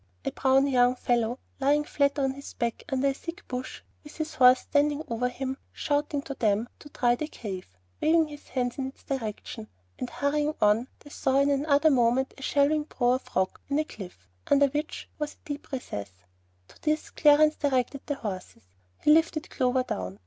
A brown young fellow, lying flat on his back under a thick bush, with his horse standing over him, shouted to them to "try the cave," waving his hand in its direction; and hurrying on, they saw in another moment a shelving brow of rock in the cliff, under which was a deep recess. To this Clarence directed the horses. He lifted Clover down.